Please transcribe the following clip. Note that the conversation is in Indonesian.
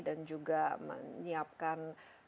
dan juga menyiapkan